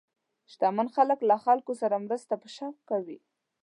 شتمن خلک له خلکو سره مرسته په شوق کوي.